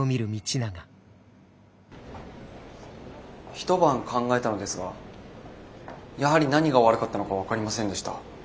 一晩考えたのですがやはり何が悪かったのか分かりませんでした。